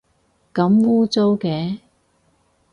咁污糟嘅